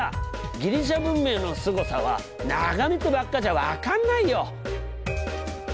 ギリシャ文明のすごさは眺めてばっかじゃ分かんないよ！